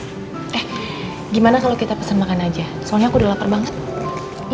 eh gimana kalau kita pesan makan aja soalnya aku udah lapar banget